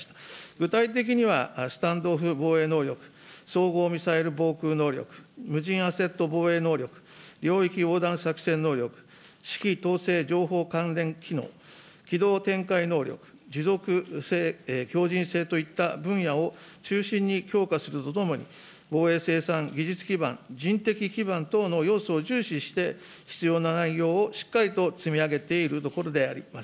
具体的には、スタンドオフ防衛能力、総合ミサイル防空能力、無人アセット防衛能力、よういきおうだん作戦能力、指揮統制情報関連機能、機動展開能力、持続性強じん性といった分野を中心に強化するとともに、防衛生産、技術基盤、人的基盤等の要素を重視して、必要な内容をしっかりと積み上げているところであります。